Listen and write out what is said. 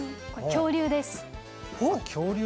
恐竜です。